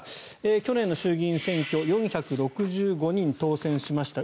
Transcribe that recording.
去年の衆議院選挙４６５人当選しました